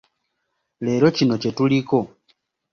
Leero kino kye tuliko.